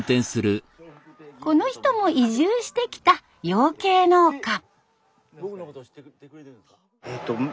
この人も移住してきた養鶏農家。